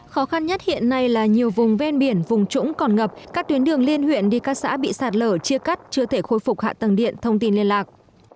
khó khăn nhất hiện nay là nhiều vùng ven biển vùng trũng còn ngập các tuyến đường liên huyện đi các xã bị sạt lở chia cắt chưa thể khôi phục hạ tầng điện thông tin liên lạc